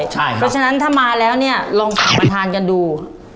เพราะฉะนั้นถ้ามาแล้วเนี่ยลองกลับมาทานกันดู